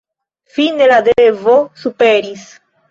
Fine la devo superis.